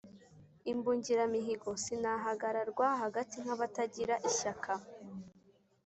imbungiramihigo sinahagararwa hagati nk'abatagira ishyaka,